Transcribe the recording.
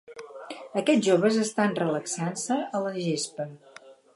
Aquests joves estan relaxant-se a la gespa.